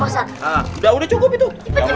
siap pak ustadz